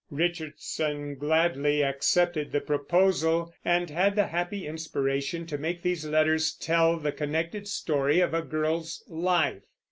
Richardson gladly accepted the proposal, and had the happy inspiration to make these letters tell the connected story of a girl's life.